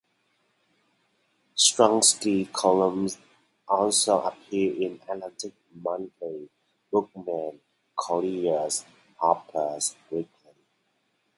Strunsky's columns also appeared in "Atlantic Monthly", "Bookman", "Collier's", and "Harper's Weekly".